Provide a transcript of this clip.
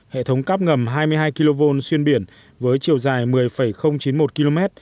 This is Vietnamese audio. hệ thống cắp ngầm hai mươi hai kv xuyên biển với chiều dài một mươi chín mươi một km